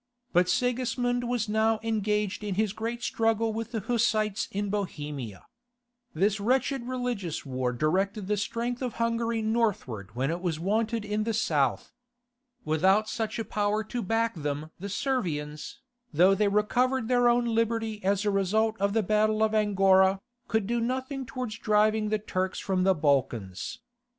But Sigismund was now engaged in his great struggle with the Hussites in Bohemia. This wretched religious war directed the strength of Hungary northward when it was wanted in the south. Without such a power to back them the Servians, though they recovered their own liberty as a result of the battle of Angora, could do nothing towards driving the Turks from the Balkans.